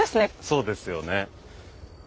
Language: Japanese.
そうですよね。